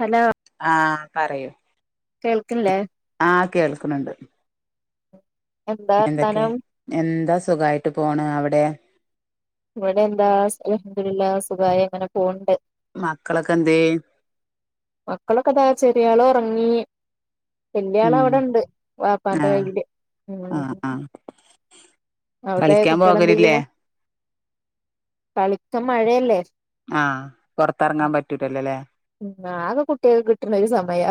Hello ആഹ് പറയൂ കേൾക്കില്ലേ ആ കേൾക്ക്ണ് ണ്ട് [unintelligible] ന്തക്കെ വർത്താനം എന്താ സുഖായിട്ട് പോണ് അവ്ടേ? ഇവ്ടെന്താ സ് അൽഹംദുലില്ലാ സുഖായങ്ങനെ പോണ് ണ്ട് മക്കളൊക്കെന്തേ? മക്കളൊക്കതാ ചെറിയാള് ഒറങ്ങി വല്യാള് ഉം അവടെണ്ട് വാപ്പാന്റെ ആഹ് കയ്യില് ആഹ് ഉം ആഹ് അവിടെ കളിക്കാൻ കുട്ട്യാള് പോകലില്ലേ എന്തെയ്യിണ് കളിത്തം മഴയല്ലേ ആഹ് പൊറ്ത്തറങ്ങാം പറ്റൂലല്ലൊല്ലേ ഉം ആകെ കുട്ട്യാക്ക് കിട്ട്ണൊരു സമയാ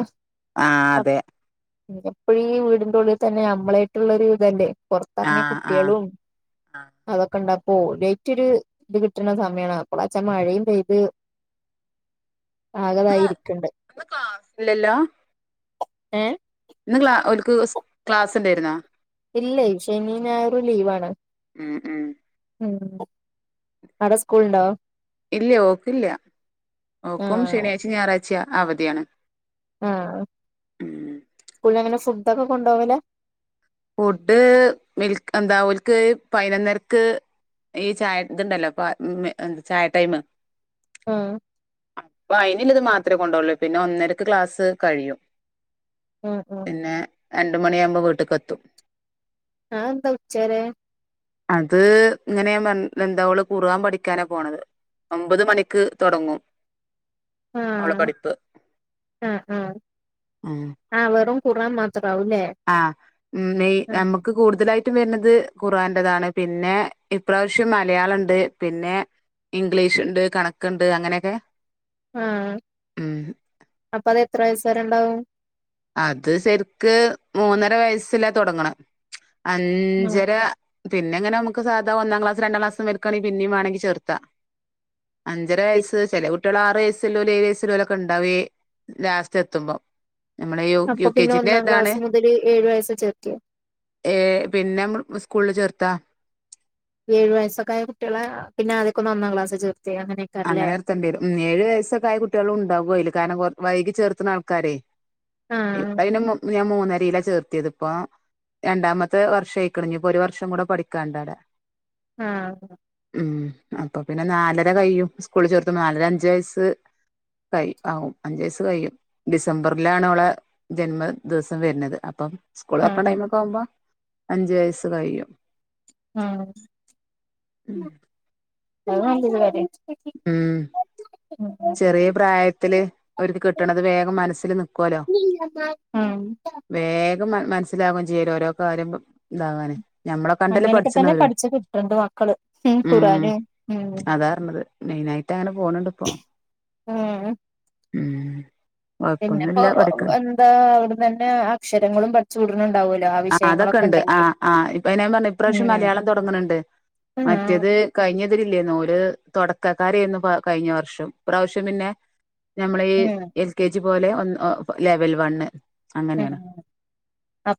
ആഹ് അ അതെ ഇനിപ്പഴീ വീടിന്റുള്ളിതന്നെ നമ്മളയിട്ടുള്ളൊരുയുഗല്ലേ പൊറ്ത്തറങ്ങിയ ആഹ് ആഹ് കുട്ട്യാളും ആഹ് അതൊക്കെണ്ട പ്പോ ലൈറ്റ് ഒര് ഇത് കിട്ടണ സമയാണ് അപ്പൊളാച്ചാ മഴയും പെയ്ത് ഇന്ന് ആകതായിരിക്ക്ണ്ട് ഇന്ന് ക്ലാസ് ഇല്ലല്ലോ ഏഹ് ഇന്ന് ക്ലാ ഒ ാൽക്ക് ഉസ് ക്ലാസ് ഇണ്ടായിര്ന്നോ? ഇല്ലെയ്‌ ശനി, നായറും ലീവാണ് ഉം ഉം ഉം അടെ സ്ക്കുള്ണ്ടോ? ഇല്ലേ ഓക്കില്ല ഓക്കും ആഹ് ശനിയാഴ്ച്ചിം ഞായറാഴ്ച്ച അവധിയാണ്. ആഹ് ഉം സ്കൂളില് എങ്ങനെ ഫുഡൊക്കെ കൊണ്ടോ വലാ ഫുഡ് മിൽക്ക് എന്താ ഓൽക്ക് പൈനൊന്നരക്ക് ഈ ചായ ഇത്ണ്ടല്ലോ പാ ഉം എന്താ ചായ ടൈമ് ആഹ് അപ്പൊ അയിന്ല്ലത് മാത്രേ കൊണ്ടൊള്ളു പിന്നെ ഒന്നരക്ക് ക്ലാസ്സ് കഴിയും. ആഹ് ആഹ് പിന്നേ രണ്ട് മണിയാവുമ്പോ വീട്ട്ക്ക് എത്തും ആഹ് ന്താ ഉച്ചവരെ അത് ഇങ്ങനെ [unintelligible] എന്താ ഓള് ഖുർആം പഠിക്കാന പോണത്. ഒമ്പത് മണിക്ക് തൊടങ്ങും ഓളെ ആഹ് പഠിപ്പ് ആഹ് ആഹ് ഉം ആഹ് വെറും ഖുർആം മാത്രാവൂല്ലേ ആഹ് മേയ് നമ്മക്ക് കൂടുതലായിട്ടും വര്ന്നത് ഖുർആന്റതാണ് പിന്നെ ഇപ്രാവശ്യം മലയാളണ്ട്. പിന്നെ ഇംഗ്ലീഷ്ണ്ട് കണക്ക്ണ്ട് അങ്ങനക്കെ ആഹ് അപ്പൊ അത് എത്ര വയസ്സരെണ്ടാവും? അത് സര്ക്ക് മൂന്നര വയസ്സില തൊടങ്ങണ് ആഹ് അഞ്ചര പിന്നെങ്ങനെ നമ്മക്ക് സാധാ ഒന്നാംക്ലാസ് രണ്ടാംക്ലാസ് മരിക്കാണെങ്കി പിന്നിം വാണെങ്കി ചേർത്താ അഞ്ചര വയസ്സ് ചെല കുട്ട്യാള് ആറ് വയസ്സ്ള്ളോല് ഏഴ് വയസ്സ്ല്ലോലൊക്കെ ഇണ്ടാവേ ലാസ്റ്റ് എത്തുമ്പം നമ്മളെ യു അപ്പൊ യു കെ പിന്നെ ജിന്റെ ഒന്നാം ഇതാണ് ക്ലാസ് മുതല് ഏഴു വയസ്സ് ചേർക്കേ? ഏഹ് പിന്നെ സ്കൂളിൽ ചേർത്താ? ഏഴ് വയസ്സൊക്ക ആയ കുട്ടികളെ പിന്നെ അനക്കൊന്ന് ഒന്നാം ക്ലാസി ചേർത്തയാ അങ്ങനെ. അങ്ങനെ നിർത്തേണ്ടി വരും ഉം ഏഴ് വയസ്സൊക്കെ ആയ കുട്ടികളുണ്ടാവു അയില് കാരണം കൊ വൈകി ചേർക്കുന്ന ആൾക്കാരെ. ആഹ് ഇപ്പ അയിന് മു ഞാൻ മൂന്നരിയിലാ ചേർത്തിയതിപ്പൊ രണ്ടാമത്തെ വർഷായിക്കണ് ഇനിയിപ്പോ ഒരു വർഷം കൂടെ പഠിക്കാനുണ്ടവിടെ. ആഹ് ഉം അപ്പൊ പിന്നെ നാലര കഴിയും ഉസ്കൂളി ചേർത്തു നാലര അഞ്ചു വയസ് കഴിയേ ആവും അഞ്ച് വയസ്സ് കഴിയും. ഡിസംബറിലാണ് ഓളെ ജന്മ ദിവസം വരണത് അപ്പം സ്കൂൾ ഓപ്പൺ ആഹ് ടൈമൊക്കെ ആവുമ്പോൾ അഞ്ച് വയസ്സ് കഴിയും. ആഹ് ഉം [unintelligible] ഇതുവരെയും ഉം ചെറിയ പ്രായത്തില് അവര്ക്ക് കിട്ടണത് വേഗം മനസ്സില് നിൽക്കുവലോ. ആഹ് വേഗം മ മനസ്സിലാവേം ചെയ്യരോ ഓരോ കാര്യം ഇതാവാന്. ഞമ്മളെ കണ്ടല്ലേ അങ്ങനെയൊക്കെ തന്നെ പഠിച്ചന്നവരും, പഠിച്ച് കിട്ടണ്ട് മക്കള് ഉം ഖുറാന് ഉം അതാറഞ്ഞത്. മെയിനായിട്ട് അങ്ങനെ പോണണ്ട് ഇപ്പോ. ഉം പിന്നപ്പോ പഠിക്കണ് എന്താ അവിടുന്നന്നെ അക്ഷരങ്ങളും പ ആ അതൊക്കെ ഉണ്ട് ആഹ് ആഹ് ഇപ്പയി ഞാൻ പറഞ്ഞെ ഇപ്രാവശ്യം ഉം മലയാളം തൊടങ്ങണണ്ട്. ആഹ് മറ്റേത് കഴിഞ്ഞതിരില്ലേന്ന് ഓര് തൊടക്കക്കാരായിരുന്നു പ കഴിഞ്ഞ വർഷം ഇപ്രാവശ്യം പിന്നെ നമ്മളെ ഈ ഉം എൽ കെ ജി പോലെ ഒന്ന് ഒ ലെവൽ വണ്ണ്. ഉം അങ്ങനെയാണ് അ [unintelligible]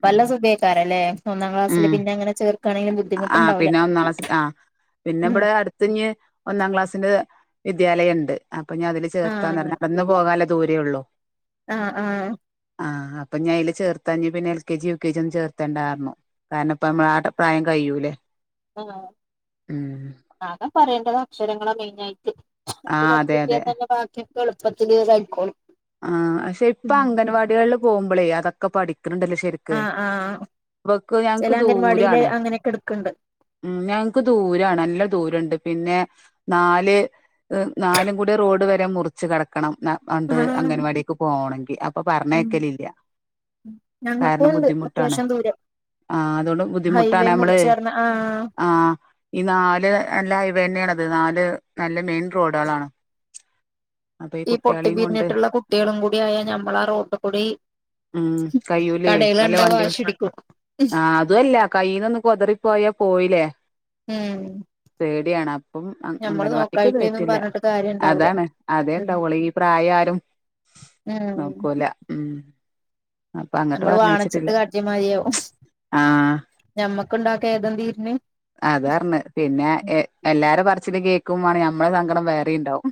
ഒന്നാം ക്ലാസ്സില് ഉം പിന്നങ്ങനെ ചേർക്കാണെങ്കിലും ബു ആ പിന്നെ ഒന്നാ ക്ലാസിൽ ആ പിന്നെ ഉം ഇവിടെ അട് ത്തിങ്ങ് ഒന്നാം ക്ലാസ്സിന്റെ വിദ്യാലയ ഒണ്ട് അപ്പൊ ഞാൻ അതില് ആഹ് ചേർത്താന്നറഞ്ഞ് നടന്നു പോകാലോ ദൂരെ ഉള്ളൂ. ആഹ് -ആഹ് ആഹ് അപ്പ ഞായില് ചേർത്താഞ്ഞ് പിന്നെ L K G U K G ഒന്നും ചേർത്തണ്ടാർന്നു കാരണം ഇപ്പ നമ്മളെ ആടം പ്രായം കഴിയൂലേ! ആ ഉം ആക പറയേണ്ടത് അക്ഷരങ്ങളാ മെയിനായിട്ട്. ആ അത് പഠിച്ച് അതെ കിട്ടിയ അതെ തന്നെ ബാക്കിയൊക്കെ എളുപ്പത്തില് കഴിക്കോളും. ആ അക്ഷെ ഇപ്പൊ അംഗൻവാടികളിൽ പോകുമ്പളേ അതൊക്കെ പഠിക്കണണ്ടല്ലോ ശരി ക്ക് ആഹ് ആഹ് ഇവക്ക് ചില ഞങ്ങക്ക് അംഗൻവാടിയില് ദൂരാണ്. അങ്ങനെയൊക്കെ എടുക്കണ്ട് ഉം ഞങ്ങക്ക് ദൂരാണ് അല്ല ദൂരൊണ്ട് പിന്നെ നാല് ഇഹ് നാലും കൂടി റോഡ് വരെ മുറിച്ച് കടക്കണം ന വ ണ്ട് ആഹ് അംഗൻവാടിയൊക്കെ പോണങ്കി അപ്പൊ പറഞ്ഞയക്കലില്ല. ഞങ്ങക്കു ഒണ്ട് അത്യാവശ്യം ദൂരം. ആഹ് അതുകൊണ്ട് ഹൈവേ ബുദ്ധിമുട്ടാണ് അമ്മള്, മുറിച്ചേർന്ന ആ ആഹ് ഈ നാല് നല്ല ഇവന്നെയാണത് നാല് നല്ല മെയിൻ റോഡുകളാണ്. അപ്പ ഈ കുട്ടികളെയും കൊൺ ട്ടള്ള കുട്ടികളും കൂടി ആയാ ഞമ്മള് ആ റോട്ട് കൂടി ഉം കയ്യൂലേ കടകൾ വല്ല കണ്ടാ വണ്ടിയും വാശിടിക്കും ആ അതുവല്ല കൈയിന്നൊന്ന് കൊതറി പോയാ പോയില്ലേ. ഉം പേടിയാണ് അ പ്പം അ അങ്കൻ ഞമ്മള് വാടിക്ക് നോക്കായിട്ട്ന്നും കേട്ടില്ല പറഞ്ഞിട്ട് കാര്യം ഉണ്ടാവൂല അതാണ് അതേ ഉം ഉണ്ടാവുള്ളൂ ഈ പ്രായാ നോക്കൂല ഉം അപ്പൊ അങ്ങട്ട് നമ്മള് വേണം എന്ന് പറഞ്ഞയച്ചിട്ടില്ല വെച്ചിട്ട് കാട്ടിയ മാതിരിയാവും, ഞമ്മക്ക് ഉണ്ടാക്കാം [unintelligible] അതാർന്ന് പിന്നെ എ എല്ലാരെ പറിച്ചിലും കേക്കുംമാണ് ഞമ്മളെ സങ്കടം വേറെ ഇണ്ടാവും.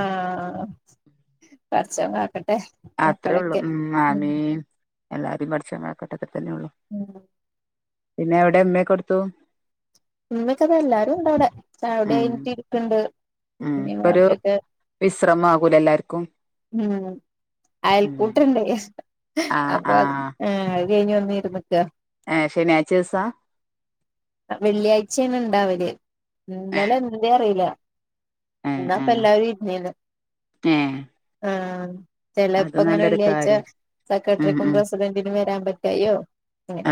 ആഹ് പടച്ചോൻ കാക്കട്ടെ. അത്രേ ഉള്ളൂ മക്കളൊക്കെ ഉം ഉം മാമീം എല്ലാരും പടച്ചോ കാ ഘട്ടത്തി [unintelligible] തന്ന ഉള്ളു ഉം പിന്നവ്ടെ ഉമ്മക്കെവ്ടുത്തു ഇമ്മച്ചതാ എല്ലാരുംണ്ട് അവ്ടെ ചായോടി ഉം കഴഞ്ഞിട്ടിരിക്ണ്ട് ഉം ഇമ്മീമ് ഇപ്പൊരു വാപ്പക്കൊ വിശ്രമാകൂലെ എല്ലാർക്കും ഉം ഉം അയൽക്കൂട്ടണ്ടേ ആഹ് അപ്പൊ അത് ആഹ് ഏഹ് കഴിഞ് വന്നിരിക്ക ഏഹ്. ശനിയാഴ്ചൂസാ വെള്ളിയാഴ്ച്ചാണ് ണ്ടാവല് ഏഹ് ഇന്നലെന്തേ അറിയില ഏഹ് ആഹ് ന്നപ്പെല്ലാരും ഇര്ന്നീന്ന് ഏഹ് ആഹ് അത് ചെലപ്പങ്ങനെ നല്ലൊരു വെള്ളിയാഴ്ച കാര്യം ഉം സെക്രട്ടറിക്കും ഉം പ്രസിഡന്റിനും വരാൻ പറ്റായോ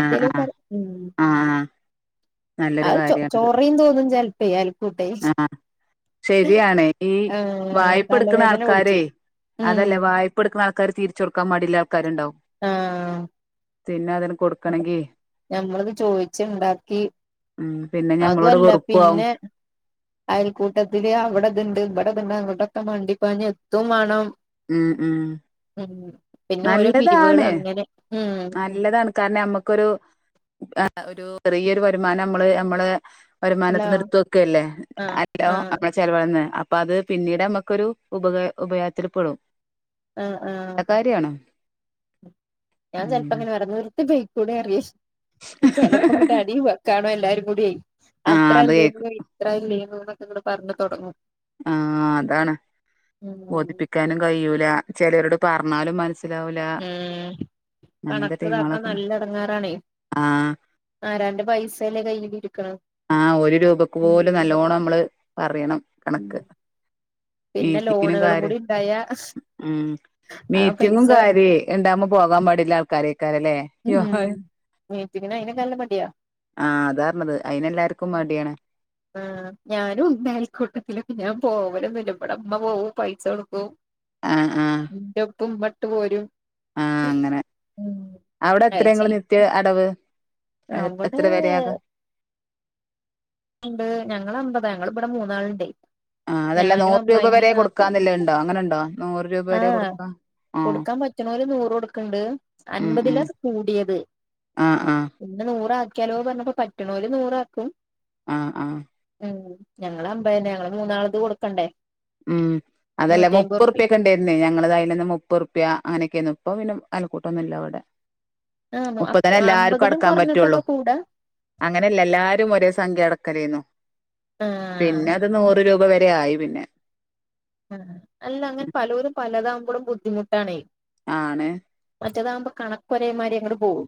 ആഹ് ആഹ് ഉം ആഹ് ആഹ് നല്ലൊരു അഹ് ചൊ കാര്യാണത് ചോറീം തോന്നും ചെലപ്പേ അയൽകൂട്ടേ ആഹ് ശരിയാണ് ഈ ആഹ് വായ്പെട്ക്ക്ണ തലവേദന പിടിച്ചു ആൾക്കാരെ ഉം അതല്ലേ വായ്പ പ്പൊട്ക്ണ ആൾക്കാര് തിരിചൊട്ക്കാൻ മടിള്ളെ ആൾക്കാര്ണ്ടാവും ആഹ് പിന്നെ അതിന് കൊടുക്കണെങ്കി ഞമ്മളത് ചോയ്ച്ച്ണ്ടാക്കി ഉം പിന്നെഞമ്മളോട് വെറുപ്പും ആവും അയൽക്കൂട്ടത്തില് അവിടെത്ണ്ട് ഇവ ടെത്ണ്ട് അങ്ങട്ടൊക്കെ മണ്ടിപാഞ്ഞെത്തും വേണം ഉം ഉം ഉം പിന്നെ ഓരോ പിരിവാള് അങ്ങനെഉം ഇല്ലതട്കാനമ്മക്കൊരു [unintelligible] ഒരു ചെറിയൊരു വരുമാനം അമ്മള് അമ്മള് വരുമാനത് ഹലോ ന്ന് ഇട്ത്ത് വെക്കല്ലേ ആഹ് അല്ലോ ആഹ് [unintelligible] ചെലവാന്ന് അപ്പ അത് പിന്നീടമ്മക്കൊരു ഉപകാ ഉപകാരത്തില്പ്പെടും ആഹ് ആഹ് അതാര്യാണ് ഞാ ചെലപ്പങ്ങനെ പറയും നിർത്തി പൊയ്ക്കൂടെന്നറയും. ചിലപ്പ ങ്ങട്ട് അടിവകാണോ എല്ലാരുംകൂഡ്യായി ആഹ് അത് കേക്കും അത്രഅല്ലേന്ന് ഇത്രഅയില്ലേന്നൂന്നങ്ങട്ട് പറഞ് തൊടങ്ങും. ആഹ് അതാണ് ഉം ബോധിപ്പിക്കാനും കയൂല ചെലരോട് പറഞ്ഞാലും മനസ് ഉം അങ്ങനത്തെ കണക്ക്താക്കാൻ ടീമുകളൊക്കെ നല്ലെടങ്ങാറാണേ. ആഹ് ആരാന്റെ പൈസല്ലേ കയ്യിലിരിക്കണത് ആഹ് ഒരു രൂപക്ക് പോലും നല്ലോണം ഞമ്മള് പറയണം ഉം കണക്ക് പിന്നെ മീറ്റിങ്ങിനും ലോണുകളും കൂടി കാര്യം ഇണ്ടായാ ഉം ആ മീറ്റിങ്ങും പൈസ കാര്യയേ ഇണ്ടാവുമ്പോ പോകാൻ മടിള്ള ആൾക്കാരേയ്കാരല്ലേ ഉം മീറ്റിങ്ങനയ്നൊക്കെ നല്ല മടിയാ ആഹ് അതാർഞ്ഞത് അയ്നെല്ലാർക്കും മടിയാണ് ആഹ് ഞാനുംണ്ട് ആൽക്കൂട്ടത്തില് ഞാൻ പോവലൊന്നില്ല ഇവടെമ്മ പോവും പൈസൊട്ക്കും. ആഹ് ആഹ് ന്റെ ഒപ്പ് ഉമ്മട്ട്പോരും. ആഹ് അങ്ങനെ. അത് ചീ അവിടെത്രങ്ങള് നിത്യ അടവ് എഹ് അവിടെ എത്ര വരെയാണ്? അയ്മ്പത് ഞങ്ങളമ്പത് ഞങ്ങള്ബടെ മൂന്നാള്ണ്ടെ ആഹ് അതല്ല നൂറ് പ്പിയക്ക് വരെ കൊടുക്കാന്നില്ലേണ്ടോ അങ്ങനുണ്ടോ നൂറ്രൂപ വരെ ആഹ് കൊടുക്കാ ആഹ് കൊടുക്കാൻ പറ്റണോര് നൂറ് കൊടുക്ണ്ട് ഉം ഉം അൻപതിലാത് കൂടിയത്. ആഹ് ആഹ് പിന്നെ നൂറാക്കിയാലൊ പറ്റ്ണോര് നൂറാക്കും. ആഹ് ആഹ് ഉം ഞങ്ങളമ്പയന്നെ ഞങ്ങള് മൂന്നാളത് കൊടുക്കണ്ടേ ഉം അതല്ല മുപ്പറ് നൂറ്റിഅയ്മ്പുറുപ്പിം പ്യക്കെ ഇണ്ടേ ഇല്ലെ ഞങ്ങളതായെല്ലെന്ന് മുപ്പറുപ്യ അങ്ങനെക്കേന്ന് ഇപ്പ പിന്ന അൽക്കൂട്ടൊന്നു ഇല്ലാ വിടെ മുപ്പതെന്നെ ആഹ് എല്ലാർക്കും അമ്പതിലും അടക്കാൻ പറ്റൊള്ളു കുറഞ്ഞിട്ടൊക്കെ കൂടാ അങ്ങനെല്ല എല്ലാരും ഒരേ സംഖ്യ അടക്കലേന്നു ആഹ് പിന്നെ അത് നൂറ് രൂപ വരെ ആയി പിന്നെ ആഹ് അല്ല അങ്ങനെ പലൊലും പലതാവുമ്പോളും ബുദ്ധിമുട്ടാണേ ആണ് മറ്റേതാകുമ്പോ കണക്കോരേ മാതിരി അങ്ങട് പോകും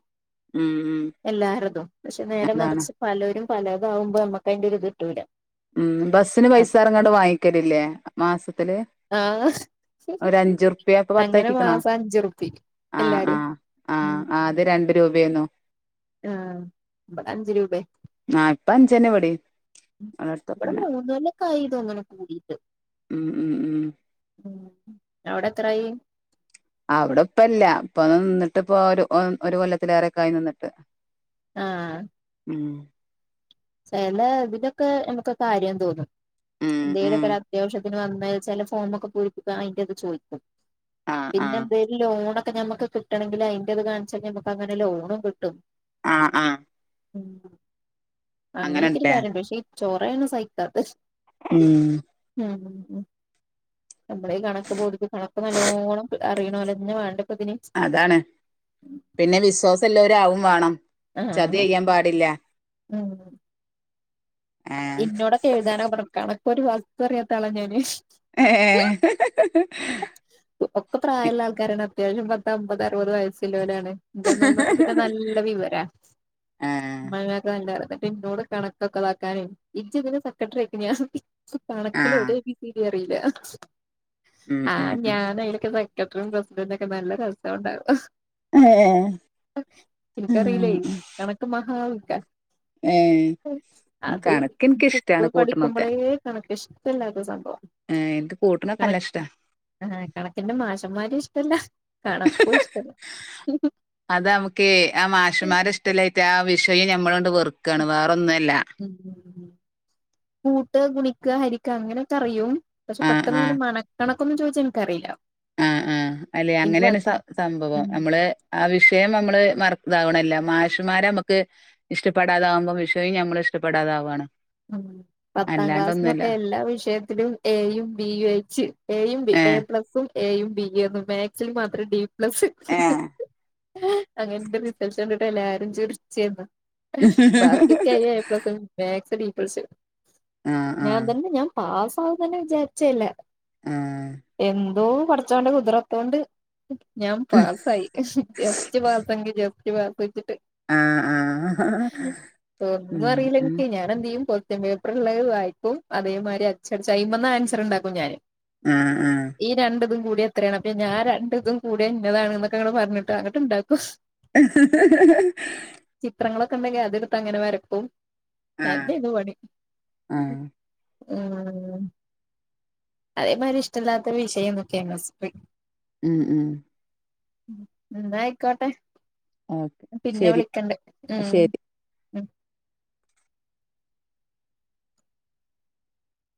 ഉം ഉം എല്ലാരതും പക്ഷെ നേരെ അതാണ് മറിച്ച് പലൊരും പലെതാവുമ്പോ നമ്മക്ക് അയ്ന്റോരു ഇത്ട്ടൂല്ല ഉം ബസ്സിന് പൈസ റ്ങ്ങാണ്ട് വാങ്ങിക്കലില്ലേ മാസത്തില് ആഹ് ഒരു അഞ്ചുറുപ്യ ഇപ്പൊ അങ്ങനെ പത്താക്കിക്കണോ മാസം അഞ്ചർപ്യെ ആഹ് എല്ലാരും ആഹ് ഉം ആഹ് അത് രണ്ട് രൂപയന്നോ ആഹ് അഞ്ച് രൂപെ ആഹ് പ്പ അഞ്ചേന്നെ വെടിം ബെടെ മൂന്ന് മണിയൊക്കെ ആയി തൊന്ന്ണ് കൂടിയിട്ട് ഉം ഉം ഉം ഉ അവ്ടെ ത്രായി അവ്ടെ ഇപ്പല്ല ഇപ്പൊ നിന്നിട്ട് ഇപ്പൊ ഒരു കൊല്ലത്തിലേറെക്കായി നിന്നിട്ട് ആഹ് ഉം ചേല ഇതിലൊക്കെ നമ്മക്ക് കാര്യം തോന്നും ഉം ഉം എന്തെലൊക്കെരത്യാവശ്യം ത്തിന് വന്ന ചെല ഫോമോ ക്കെ പൂരിപ്പിക്കാൻ അയ്ന്റെറ ത് ചോയ്ക്കും ആഹ് ആഹ് പിന്നെന്തേലും ലൊണൊക്കെ ഞമ്മക്ക് കി ട്ടെണേങ്കില് അയ്ന്റെത് കാണിച്ചയ്ഞാ നമ്മ ക്ക് അങ്ങന ലൊണും കിട്ടും ആഹ് ആഹ് ഉം അങ്ങനെയൊക്കെര് അങ്ങനെണ്ട്ല്ലേ കാര്യണ്ട് പക്ഷേ ചോറയാണ് സഹിക്കാത്ത ഉം ഉം [unintelligible] നമ്മളെ ഈ കണക്ക് ബോധി കണക്ക് നല്ലോണം അറിണോലെന്നെ വാണ്ടപ്പതിന് അതാണ് പിന്നെ വിശ്വാസല്ലോര് ആവും വാണം ആഹ് ചതി ചെയ്യാൻ പാടില്ല ഉം ആ ഇന്നോടൊക്കെ എയ്താന [unintelligible] കണക്കോ രു വസ്തു അറിയാത്ത ആളാ ഞാന് ഏഹ് [unintelligible] ഒക്കെ പ്രായള്ള ആൾക്കാരാണ് അത്യാവശം പത്ത്‌ അമ്പത് അറുപത് വയസ്സ്ല്ലോലാണ് ഇന്റെ അമ്മായ്മാക്ക് പിന്നെ നല്ല വിവരാ ആഹ് [unintelligible] ന്നട്ട് ഇന്നോട് കണക്കൊക്കെതാക്കാനെ ഇജ്ജ് [unintelligible] സെക്രട്ടറി അയ്ക് ഞാൻ ആ കണക്കില് ഒരേ ബി സീടി അറിയില്ല ഉം ആഹ് ഉം ഉം ഞാന് അയ്ലൊക്കെ സെക്രട്ടറിം പ്രസിഡന്റ ഒക്കെ നല്ല രസം ഉണ്ടാവും ഏഹ് ആഹ് എനിക്കറിയില്ലേ കണക്ക് മഹാ വിക്ക ഏ അത് കണക്ക് എനിക്കിഷ്ടാണ് സ്കൂള് കൂട്ടണൊക്കെ പഠിക്കുമ്പോളേ കണനക്ക് ഷ്ടല്ലാത്ത സംഭവാ ഏഹ് ഇൻക് കൂട്ട്ണൊക്കെ അല്ല ഇഷ്ടാ ഏഹ് കണക്കിന്റെ മാഷന്മാരും ഇഷ്ടല്ല കണക്കും ഇഷ്ടല്ല അത് നമ്മക്കെ ആഹ് മാഷമ്മാരെ ഇഷ്ടല്ലായ്ട്ട ആഹ് വിഷയം ഞമ്മളാണ്ട് വെർക്കാണ് വേറെൊന്നുംല്ല കൂട്ട് ക ഗുണിക്ക ഹരിക്ക അങ്ങനൊക്കെ അറിയും പക്ഷെ ആ പട്ടന്ന് ആ ങ്ങനെ മണക്കണക്കൊന്നും ചോയ്ച്ചാ ഇൻക്കറിയില്ല ആഹ് ആഹ് അല്ലെ അങ്ങനെയാണ് സംഭവം ഉം നമ്മള് ആഹ് വിഷയം നമ്മള് മറക് താവണ്ല്ല മാഷമാരെ നമക്ക് ഇഷ്ടപ്പെടാതാവുമ്പോ വിഷയും നമ്മള് ഇഷ്ടപ്പെടാതാവാണ് [unintelligible] പത്താം അല്ലാണ്ടൊന്നുല്ല ക്ലാസ്ന്നൊക്കെ എല്ലാ വിഷയത്തിലും എയും ബിയും ഒയ്ച്ച് എയും ബി ഏ എപ്ലസും എയും ബിയേന്നു മാക്സിൽ മാത്രം ഡി പ്ലസ് ഏഹ് അങ്ങനെ ഇൻ്റെ റിസൽറ്റ് കണ്ടിട്ടെല്ലാരും ചിർച്ചേന്നു. ബാക്കിയൊക്കെ ഏയും എപ്ലസും മേക്സ് ഡി പ്ലസ്. ആഹ് ഞാൻ ആഹ് തന്നെ ഞാൻ പാസാവുംന്നന്നെ വിചാരിച്ചെ അല്ല ആഹ് എന്തോ പടച്ചോന്റെ കുദ്റത്തോണ്ട് ഞാൻ പാസായി ജസ്റ്റ് പാസ് എങ്കി ജസ്റ്റ് പാസ് വെച്ചിട്ട് ആഹ് ആഹ് ഒന്നു ഉം ഉം അറീല്ലെൻക്കേ ഞാനെന്തെയ്യും കൊസ്റ്റ്യൻപേപ്പറ് ഇള്ളെ വായിക്കും അതേമായ്രി അച്ചട്ച്ച് അയ്മന്ന് ആൻസറ്ണ്ടാക്കും ഞാന്. ആഹ് ആഹ് ഈ രണ്ടിതും കൂടിയ എത്രയാണ് അപ്പ ഞാൻ രണ്ട്തും കൂടിയാ ഇന്നതാണ്ന്നൊക്കെ ങ്ങട് പരഞ്ഞിട്ട് ഇങ്ങട്ട്ണ്ടാക്കും ചിത്രങ്ങളൊക്കെണ്ടെങ്കി അത്ട്ത്തങ്ങനെ വരക്കും ആഹ് തേന്നുപണി ആഹ് ഉം അതേമായ്രി ഇഷ്ടല്ലാത്ത വിഷയേന്നു കെമിസ്ട്രി ഉം ഉം ഇന്നാ ആയിക്കോട്ടെ ഓക്കെ ഞാ പിന്നെ ശരി വിളിക്കണ്ട് ഉം ശരി ഉം